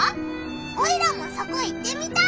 オイラもそこ行ってみたい！